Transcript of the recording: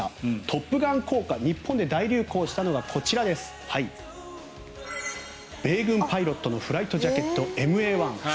トップガン効果日本で大流行したのがこちら米軍パイロットのフライトジャケット、ＭＡ−１。